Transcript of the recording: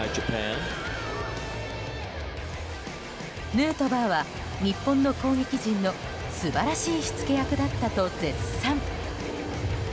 ヌートバーは日本の攻撃陣の素晴らしい火付け役だったと絶賛。